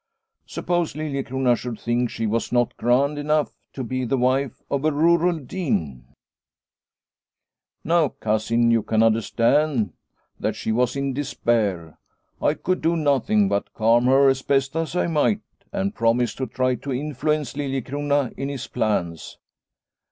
Suppose Liliecrona should think she was not grand enough to be the wife of a rural dean !" Now, Cousin, you can understand that she was in despair. I could do nothing but calm her, as best I might, and promise to try to influence Liliecrona in his plans.